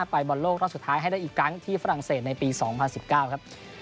บอลโลกรอบสุดท้ายให้ได้อีกครั้งที่ฝรั่งเศสในปี๒๐๑๙ครับ